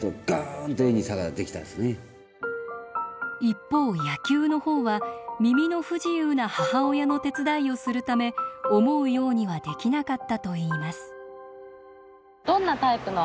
一方野球の方は耳の不自由な母親の手伝いをするため思うようにはできなかったといいます。